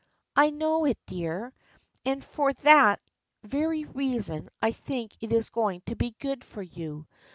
" I know it, dear, and for that very reason I think it is going to be good for you.